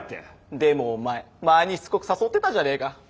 でもお前前にしつこく誘ってたじゃねえか。